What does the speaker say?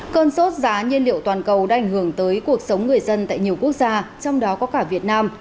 cơn sốt giá nhiên liệu toàn cầu đã ảnh hưởng tới cuộc sống người dân tại nhiều quốc gia trong đó có cả việt nam